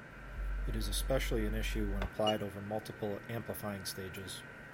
It is especially an issue when applied over multiple amplifying stages.